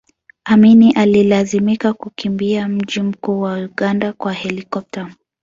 Amin alilazimika kukimbia mji mkuu wa Uganda kwa helikopta